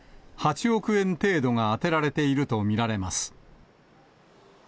８億円程度が充てられていると見られます。